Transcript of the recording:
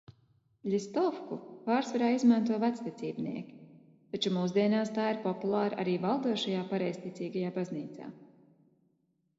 Ļestovku pārsvarā izmanto vecticībnieki, taču mūsdienās tā ir populāra arī valdošajā pareizticīgajā baznīcā.